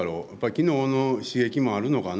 昨日の刺激もあるのかな。